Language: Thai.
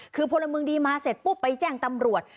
คือพลเมืองดีมาเสร็จปุ๊บไปแจ้งตำรวจ